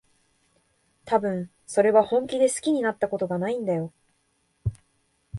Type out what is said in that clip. たぶん、それは本気で好きになったことがないんだよ。